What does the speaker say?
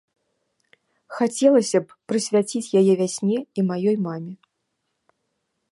Хацелася б прысвяціць яе вясне і маёй маме.